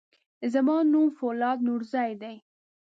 زما نوم فولاد نورزی دی.